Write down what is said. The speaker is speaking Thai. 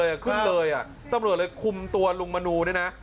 ยุขึ้นเลยตำรวจเลยคุมตัวลุงมนุนี่นะ